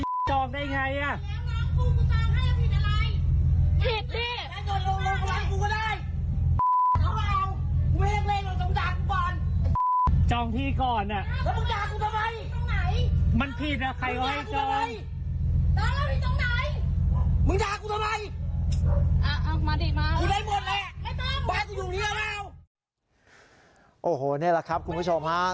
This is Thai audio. โอ้โหนี่แหละครับคุณผู้ชมฮะ